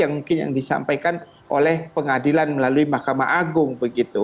yang mungkin yang disampaikan oleh pengadilan melalui mahkamah agung begitu